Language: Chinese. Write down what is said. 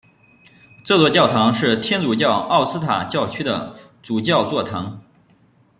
这座教堂是天主教奥斯塔教区的主教座堂。